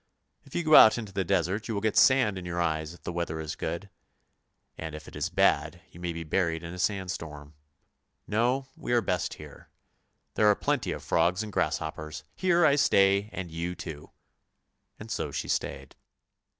If you go out into the desert you will get sand in your eyes if the weather is good, and if it is bad you may be buried in a sandstorm. No, we are best here; there are plenty of frogs and grasshoppers. Here I stay and you too! " And so she stayed.